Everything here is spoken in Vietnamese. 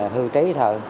hưu trí thôi